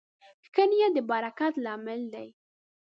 ښه نیت د برکت لامل دی.